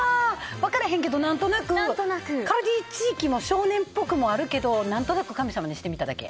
分からへんけど、何となくカルディ地域も少年っぽくもあるけど何となく神様にしてみただけ。